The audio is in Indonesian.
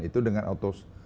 itu dengan otos